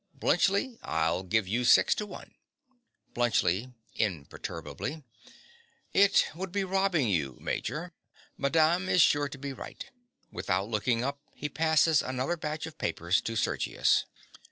Bluntschli: I'll give you six to one. BLUNTSCHLI. (imperturbably). It would be robbing you, Major. Madame is sure to be right. (_Without looking up, he passes another batch of papers to Sergius.